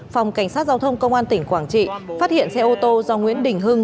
phòng cảnh sát giao thông công an tỉnh quảng trị phát hiện xe ô tô do nguyễn đình hưng